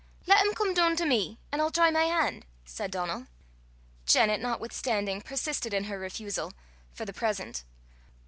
"Lat him come doon to me, an' I'll try my han'," said Donal. Janet, notwithstanding, persisted in her refusal for the present.